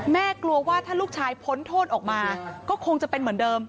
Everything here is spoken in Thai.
กลัวว่าถ้าลูกชายพ้นโทษออกมาก็คงจะเป็นเหมือนเดิม